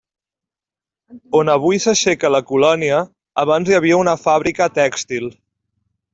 On avui s'aixeca la Colònia, abans hi havia una fàbrica tèxtil.